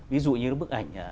ví dụ như bức ảnh